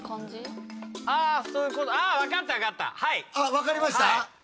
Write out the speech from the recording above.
わかりました？